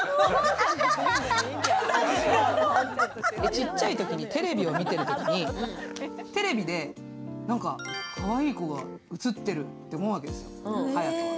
ちっちゃいときにテレビを見ているときに、かわいい子が映ってるって思うわけですよ、隼人は。